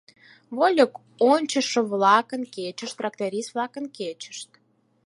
Вольык ончышо-влакын кечышт, тракторист-влакын кечышт...